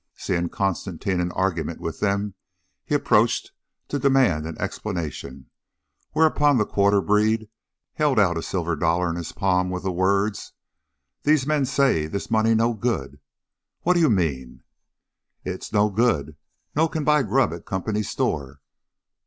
Seeing Constantine in argument with them, he approached to demand an explanation, whereupon the quarter breed held out a silver dollar in his palm with the words: "These men say this money no good." "What do you mean?" "It no good. No can buy grub at Company store."